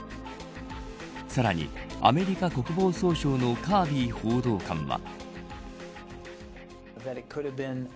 さらに、アメリカ国防総省のカービー報道官は。